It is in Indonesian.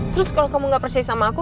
terus kalau kamu gak percaya sama aku